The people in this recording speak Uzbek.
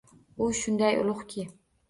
U shunday ulug’ki